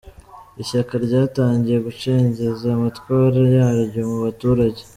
Ishyaka ryatangiye gucengeza amatwara yaryo mu baturage